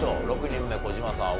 ６人目児嶋さん